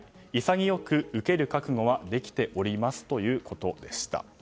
潔く受ける覚悟はできておりますということでした。